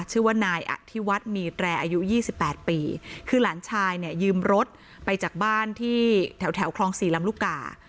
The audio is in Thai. ชื่อว่านายอธิวัฒน์มีแตรอายุยี่สิบแปดปีคือหลานชายเนี่ยยืมรถไปจากบ้านที่แถวแถวคลองสี่ลำลูกกา